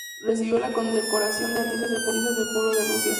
Recibió la condecoración de Artista del Pueblo de Rusia.